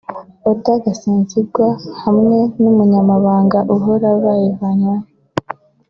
Oda Gasinzigwa hamwe n’Umunyamabanga Uhoraho bayivanywemo